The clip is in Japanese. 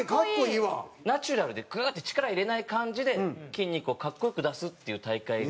ナチュラルでグーッて力入れない感じで筋肉を格好良く出すっていう大会が。